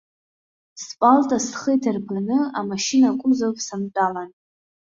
Спалта схы иҭарԥаны амашьына акузов сантәалан.